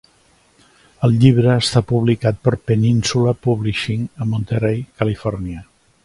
El llibre està publicat per Peninsula Publishing a Monterey, Califòrnia.